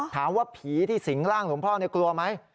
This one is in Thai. ถามว่าผีที่สิงร่างหลวงพ่อกลัวไหม